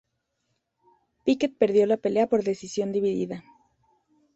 Pickett perdió la pelea por decisión dividida.